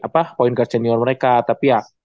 apa poin garceneur mereka tapi ya